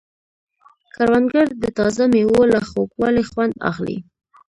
کروندګر د تازه مېوو له خوږوالي خوند اخلي